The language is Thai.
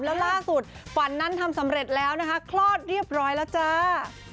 แล้วล่าสุดฝันนั้นทำสำเร็จแล้วนะคะคลอดเรียบร้อยแล้วจ้า